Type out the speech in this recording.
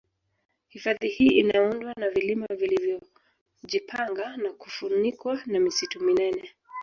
Hifadhi hii inaundwa na vilima vilivyojipanga na kufunikwa na misitu minene